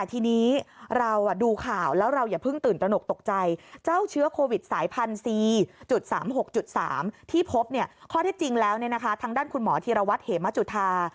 ที่พบข้อเท็จจริงแล้วทางด้านคุณหมอธีรวัติเหมจุธา